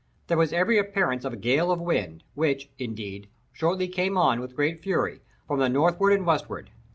There was every appearance of a gale of wind, which, indeed, shortly came on, with great fury, from the northward and westward.